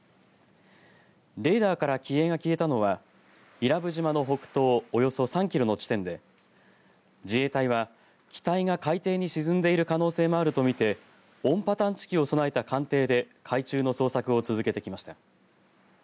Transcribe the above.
レーダーから機影が消えたのは伊良部島沖の北東およそ３キロの地点で自衛隊は機体が海底に沈んでいる可能性もあると見て音波探知機を備えた艦艇で海中の捜索を続けてきました。